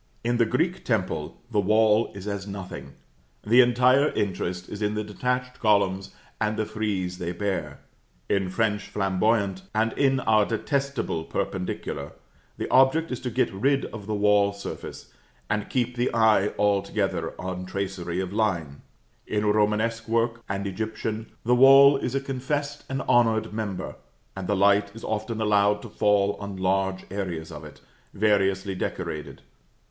In the Greek temple the wall is as nothing; the entire interest is in the detached columns and the frieze they bear; in French Flamboyant, and in our detestable Perpendicular, the object is to get rid of the wall surface, and keep the eye altogether on tracery of line; in Romanesque work and Egyptian, the wall is a confessed and honored member, and the light is often allowed to fall on large areas of it, variously decorated.